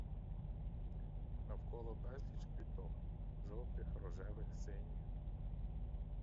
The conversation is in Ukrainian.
Навколо безліч квіток — жовтих, рожевих, синіх.